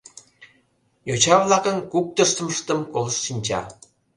— Йоча-влакын куктыштмыштым колышт шинча.